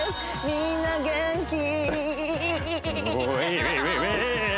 みんな元気？